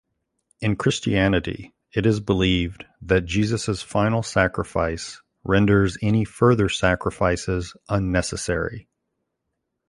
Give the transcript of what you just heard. In Christianity, it is believed that Jesus's final sacrifice renders any further sacrifices unnecessary.